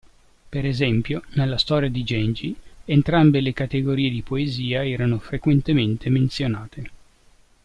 Per esempio, nella "Storia di Genji", entrambe le categorie di poesia erano frequentemente menzionate.